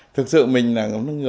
thực sự mình là